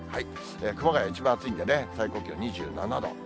熊谷、一番暑いんでね、最高気温２７度。